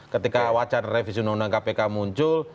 ketika wacana revisi undang undang kpk muncul